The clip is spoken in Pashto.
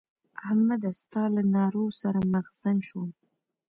احمده! ستا له نارو سر مغزن شوم.